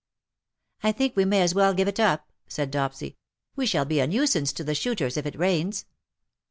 " I think we may as well give it up/' said Dopsy, " we shall be a nuisance to the shooters if it rains."